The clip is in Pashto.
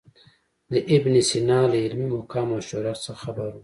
د ابن سینا له علمي مقام او شهرت څخه خبر و.